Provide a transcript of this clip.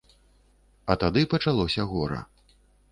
А тады пачалося гора.